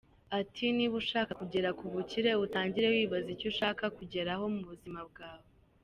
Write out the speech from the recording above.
Ati “ Niba ushaka kugera ku bukire, utangira wibaza icyo ushaka kugeraho mu buzima bwawe.